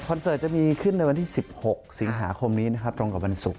เสิร์ตจะมีขึ้นในวันที่๑๖สิงหาคมนี้นะครับตรงกับวันศุกร์